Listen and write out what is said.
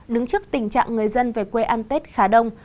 đứng trước tình trạng người dân về quê ăn tết khá đông